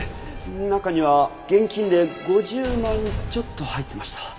中には現金で５０万ちょっと入ってました。